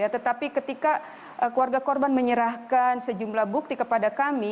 tetapi ketika keluarga korban menyerahkan sejumlah bukti kepada kami